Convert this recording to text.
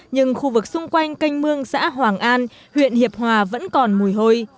nhưng khu vực xung quanh canh mương xã hoàng an huyện hiệp hòa vẫn còn mùi hôi